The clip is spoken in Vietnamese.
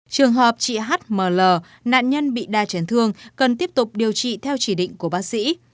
trường hợp chị h m l nạn nhân bị đa chấn thương cần tiếp tục điều trị theo chỉ định của bác sĩ